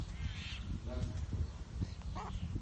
elagtuq